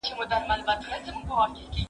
مرسته وکړه!.